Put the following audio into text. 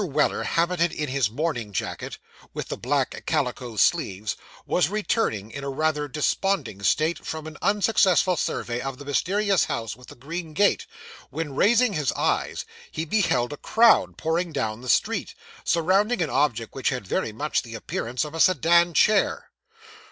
Weller, habited in his morning jacket, with the black calico sleeves, was returning in a rather desponding state from an unsuccessful survey of the mysterious house with the green gate, when, raising his eyes, he beheld a crowd pouring down the street, surrounding an object which had very much the appearance of a sedan chair.